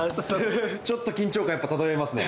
ちょっと緊張感やっぱ漂いますね。